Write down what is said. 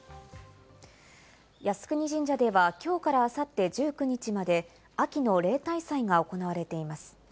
靖国神社ではきょうからあさって１９日まで、秋の例大祭が行われています。